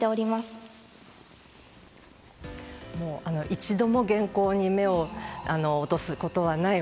一度も原稿に目を落とすことはない